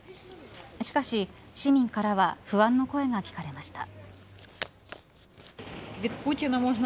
しかし、市民からは不安の声が聞かれました。